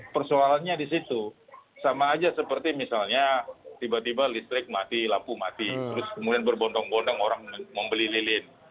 persoalannya di situ sama aja seperti misalnya tiba tiba listrik mati lampu mati terus kemudian berbondong bondong orang membeli lilin